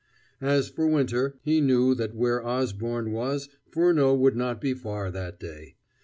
As for Winter, he knew that where Osborne was Furneaux would not be far that day.